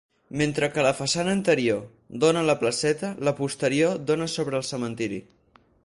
Mentre que la façana anterior dóna a la placeta, la posterior dóna sobre el cementiri.